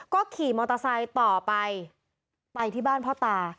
ก็ขี่มอเตอร์ไซค์ต่อไปไปที่บ้านพ่อตา